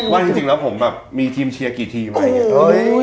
ว่าจริงแล้วผมแบบมีทีมเชียร์กี่ทีมไหม